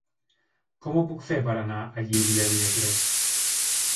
Com ho puc fer per anar a Llívia dimecres?